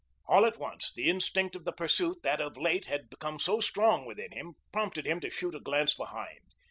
All at once, the instinct of the pursuit that of late had become so strong within him, prompted him to shoot a glance behind.